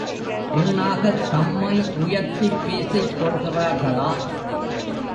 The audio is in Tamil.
வீணாகத் தம்மை உயர்த்திப் பேசிக் கொள்கிறார்களா?